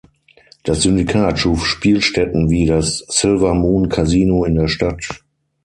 Das Syndikat schuf Spielstätten wie das Silver Moon Casino in der Stadt.